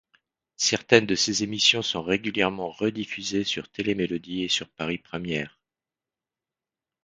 Certaines de ces émissions sont régulièrement rediffusées sur Télé Melody et sur Paris Première.